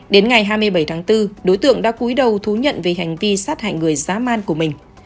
đến ngày hai mươi bảy tháng bốn đối tượng đã cúi đầu thú nhận về hành vi sát hại người giá man của mình